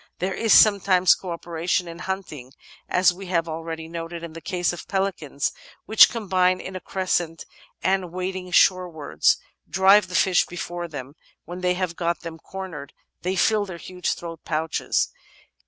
There is sometimes co operation in hunting as we have al ready noted in the case of pelicans, which combine in a crescent and, wading shorewards, drive the fish before them; when they have got them cornered they fill their huge throat pouches.